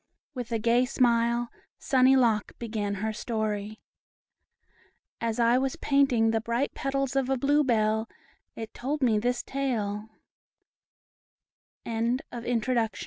With a gay smile, "Sunny Lock" began her story. "As I was painting the bright petals of a blue bell, it told me this tale." THE FROST KING: OR, THE POWER OF LOVE.